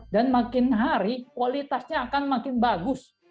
makin hari kualitasnya akan makin bagus